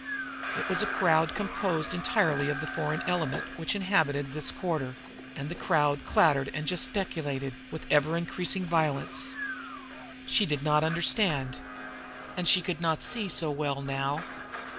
It was a crowd composed almost entirely of the foreign element which inhabited that quarter and the crowd chattered and gesticulated with ever increasing violence. She did not understand. And she could not see so well now.